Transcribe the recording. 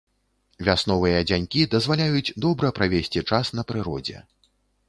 Вясновыя дзянькі дазваляюць добра правесці час на прыродзе.